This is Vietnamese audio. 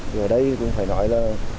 giờ đây cũng phải nói là